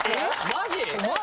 マジ！？